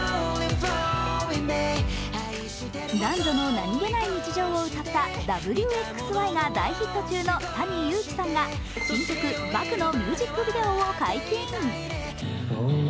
男女の何気ない日常を歌った「Ｗ／Ｘ／Ｙ」が大ヒット中のＴａｎｉＹｕｕｋｉさんが新曲「夢喰」のミュージックビデオを解禁。